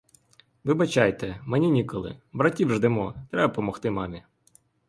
Вибачайте, мені ніколи, братів ждемо, треба помогти мамі.